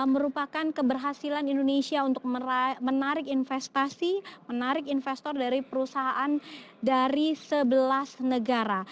merupakan keberhasilan indonesia untuk menarik investasi menarik investor dari perusahaan dari sebelas negara